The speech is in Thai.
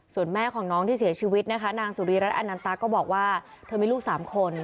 ส่วนแม่ของน้องที่เสียชีวิตนะคะนางสุรีรัฐอนันตาก็บอกว่าเธอมีลูก๓คน